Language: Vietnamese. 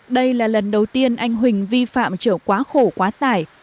đây là lần đầu tiên anh huỳnh vi phạm chở quá khổ quá tải